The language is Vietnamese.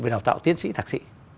về đào tạo tiến sĩ thạc sĩ